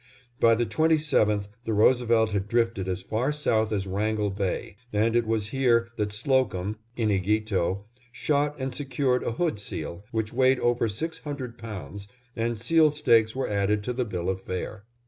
By the 27th the Roosevelt had drifted as far south as Wrangell Bay, and it was here that Slocum (Inighito) shot and secured a hood seal, which weighed over six hundred pounds, and seal steaks were added to the bill of fare.